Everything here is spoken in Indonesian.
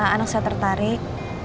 anak saya tertarik